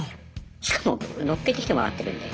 しかも乗っけてきてもらってるんで。